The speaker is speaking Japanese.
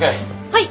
はい！